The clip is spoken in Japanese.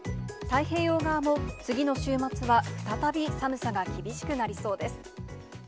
太平洋側も、次の週末は再び寒さが厳しくなりそうです。